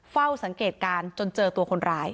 เฝ้าสังเกตการณ์จนเจอตัวคนร้าย